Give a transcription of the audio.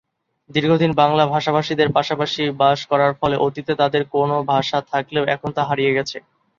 দীর্ঘদিন বাংলা ভাষাভাষীদের পাশাপাশি বাস করার ফলে, অতীতে তাদের কোন ভাষা থাকলেও এখন তা হারিয়ে গেছে।